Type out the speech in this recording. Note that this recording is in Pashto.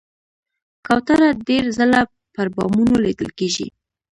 کوتره ډېر ځله پر بامونو لیدل کېږي.